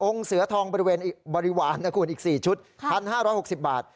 องค์เสือทองบริเวณบริหวานอีก๔ชุด๑๕๖๐บาท